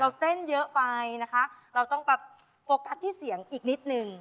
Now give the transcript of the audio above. เต้นเยอะไปนะคะเราต้องแบบโฟกัสที่เสียงอีกนิดนึง